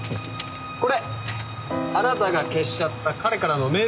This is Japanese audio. これあなたが消しちゃった彼からのメール。